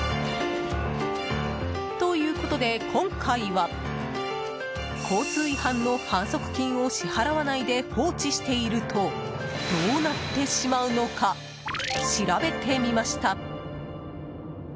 ということで、今回は交通違反の反則金を支払わないで放置しているとどうなってしまうのか調べてみました。